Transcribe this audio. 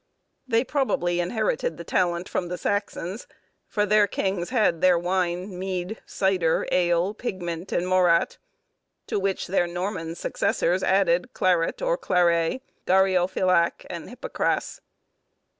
They probably inherited the talent from the Saxons, for their kings had their wine, mead, cyder, ale, pigment, and morat, to which their Norman successors added claret or clarré, garhiofilac, and hippocras.